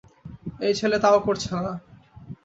এই ছেলে তাও করছে না।